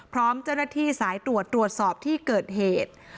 พร้อมเจ้าหน้าที่สายตรวจตรวจสอบที่เกิดเหตุ